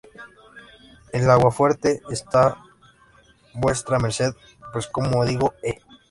El aguafuerte Está vuestra merced... pues, como digo... ¡eh!